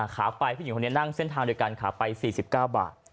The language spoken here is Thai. ขาไปผู้หญิงคนนี้นั่งเส้นทางโดยการขาไป๔๙บาท